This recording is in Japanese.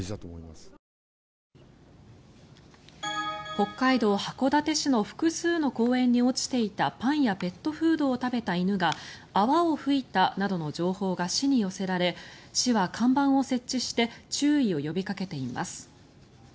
北海道函館市の複数の公園に落ちていたパンやペットフードを食べた犬が泡を吹いたなどの情報が市に寄せられ市は看板を設置して注意を呼びかけています。